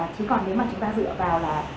chứ còn nếu mà chúng ta dựa vào là